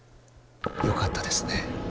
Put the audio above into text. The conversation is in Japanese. よかったですね。